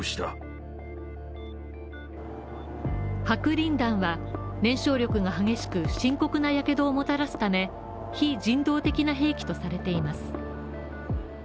白リン弾は燃焼力が激しく深刻なやけどをもたらすため非人道的な兵器とされています。